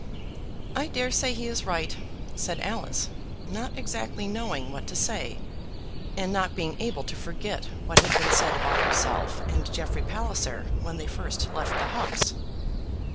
"I dare say he is right," said Alice, not exactly knowing what to say, and not being able to forget what had been said about herself and Jeffrey Palliser when they first left the house.